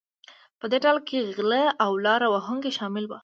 په دې ډله کې غلۀ او لاره وهونکي شامل وو.